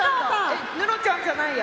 えっ布ちゃんじゃないや。